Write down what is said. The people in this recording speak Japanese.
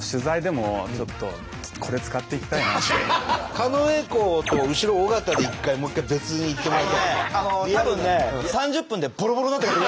狩野英孝と後ろ尾形で一回もう一回別に行ってもらいたいね。